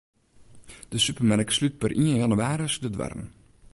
De supermerk slút per ien jannewaris de doarren.